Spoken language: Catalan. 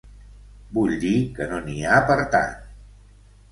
Vull dir que no n'hi ha per a tant.